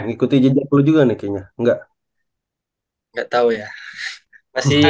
ikuti juga nih kayaknya enggak enggak tahu ya masih